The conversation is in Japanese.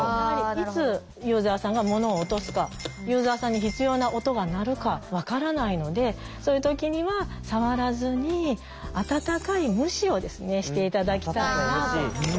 いつユーザーさんが物を落とすかユーザーさんに必要な音が鳴るか分からないのでそういう時には触らずに“温かい無視”をして頂きたいなと思っています。